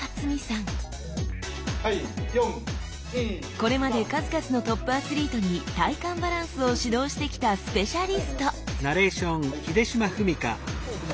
これまで数々のトップアスリートに体幹バランスを指導してきたスペシャリスト！